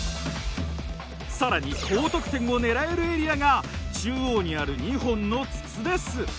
更に高得点を狙えるエリアが中央にある２本の筒です。